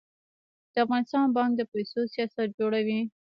د افغانستان بانک د پیسو سیاست جوړوي